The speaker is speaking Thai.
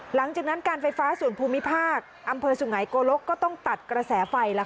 หลังจากนั้นการไฟฟ้าศูนย์ภูมิภาคอำเภอสุหงัยโกลกก็ต้องตัดกระแสไฟล่ะค่ะ